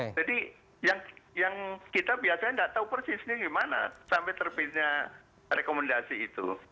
jadi yang kita biasanya tidak tahu persisnya bagaimana sampai terbitnya rekomendasi itu